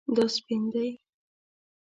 دا سپین دی